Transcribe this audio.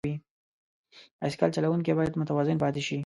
بایسکل چلوونکی باید متوازن پاتې شي.